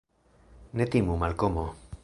Ne timu, Malkomo.